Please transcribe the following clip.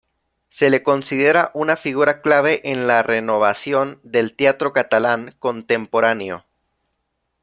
Se le considera una figura clave en la renovación del teatro catalán contemporáneo.